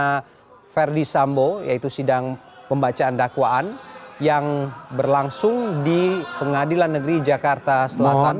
terdakwa ferdi sambo yaitu sidang pembacaan dakwaan yang berlangsung di pengadilan negeri jakarta selatan